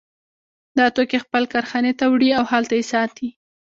دا توکي خپلې کارخانې ته وړي او هلته یې ساتي